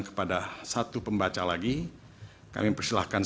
kepada satu pembaca lagi kami persilahkan